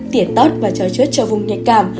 tiển tót và trói chốt cho vùng nhạc cảm